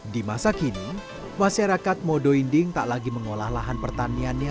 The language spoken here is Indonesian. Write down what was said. di masa kini masyarakat modo inding tak lagi mengolah lahan pertaniannya